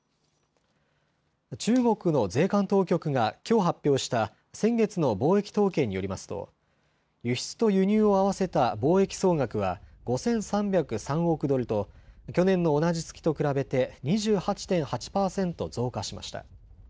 中国の税関当局がきょう発表した先月の貿易統計によりますと輸出と輸入を合わせた貿易総額は５３０３億ドルと去年の同じ月と比べて２８．８％増加しました。